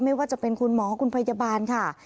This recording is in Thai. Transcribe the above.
ไม่ว่าจะเป็นคุณหมอคุณพยาบาลค่ะ